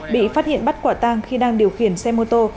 bị phát hiện bắt quả tang khi đang điều khiển xe mô tô